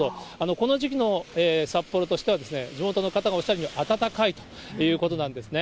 この時期の札幌としては、地元の方がおっしゃるには暖かいということなんですね。